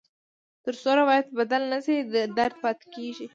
تر څو روایت بدل نه شي، درد پاتې کېږي.